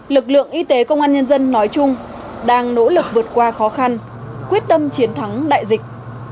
lực lượng y tế công an nhân dân nói chung đang nỗ lực vượt qua khó khăn quyết tâm chiến thắng đại dịch